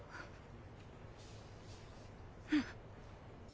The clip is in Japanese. うん。